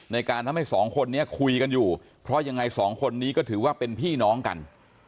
ในการทำให้สองคนนี้คุยกันอยู่เพราะยังไงสองคนนี้ก็ถือว่าเป็นพี่น้องกัน